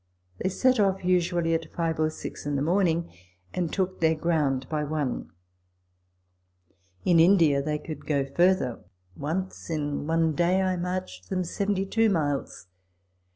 They set off, usually, at five or six in the morning, and took their ground by one. In India they could go further. Once in one day I marched them seventy two miles.